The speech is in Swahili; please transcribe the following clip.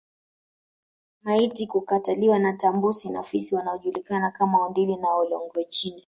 Maiti kukataliwa na tumbusi na fisi wanaojulikana kama Ondili ama Olngojine